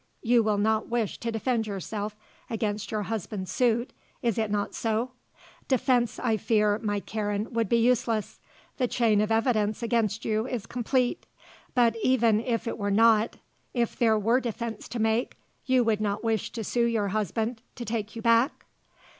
You will not wish to defend yourself against your husband's suit, is it not so? Defence, I fear, my Karen, would be useless. The chain of evidence against you is complete. But even if it were not, if there were defence to make, you would not wish to sue to your husband to take you back?"